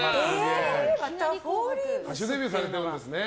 歌手デビューされたんですね。